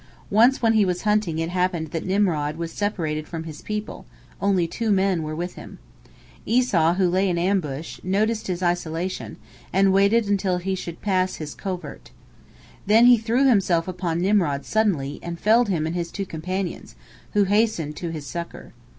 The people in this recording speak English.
Once when he was hunting it happened that Nimrod was separated from his people, only two men were with him. Esau, who lay in ambush, noticed his isolation, and waited until he should pass his covert. Then he threw himself upon Nimrod suddenly, and felled him and his two companions, who hastened to his succor.